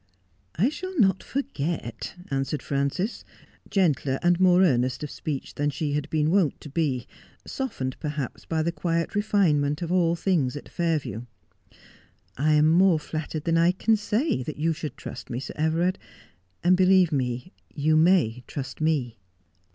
'I shall not forget,' answered Frances, gentler and more earnest of speech than she had been wont to be, softened perhaps by the quiet refinement of all things at Fairview. ' I am more nattered than I can say that you should trust me, Sir Everard, and believe me you may trust me.'